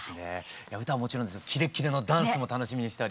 いや歌はもちろんですがキレッキレのダンスも楽しみにしております。